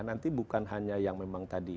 nanti bukan hanya yang memang tadi